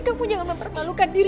kamu jangan mempermalukan diri